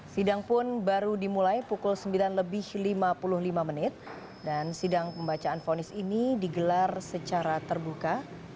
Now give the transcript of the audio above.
sidang pun baru dimulai pukul sembilan lebih lima puluh lima menit dan sidang pembacaan fonis ini digelar secara terbuka